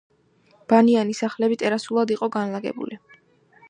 ბანიანი სახლები ტერასულად იყო განლაგებული.